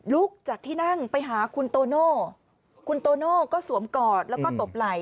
ลุกจากที่นั่งไปหาคุณโตโน่คุณโตโน่ก็สวมกอดแล้วก็ตบไหล่